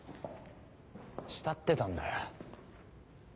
慕ってたんだよ。